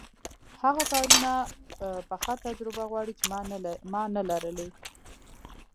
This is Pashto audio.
هغه کارونه پخه تجربه غواړي چې ما نلري.